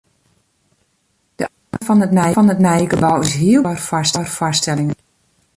De aula fan it nije gebou is hiel geskikt foar foarstellingen.